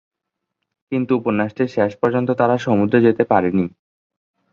কিন্তু উপন্যাসটির শেষ পর্যন্ত তারা সমুদ্রে যেতে পারেনি।